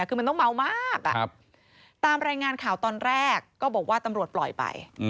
คือมันต้องเมามากตามรายงานข่าวตอนแรกก็บอกว่าตำรวจปล่อยไป